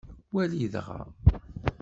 Wali dɣa.